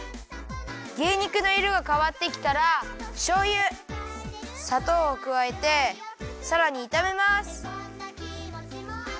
牛肉のいろがかわってきたらしょうゆさとうをくわえてさらにいためます。